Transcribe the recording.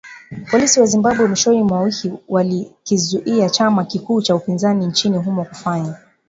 Polisi wa Zimbabwe mwishoni mwa wiki walikizuia chama kikuu cha upinzani nchini humo kufanya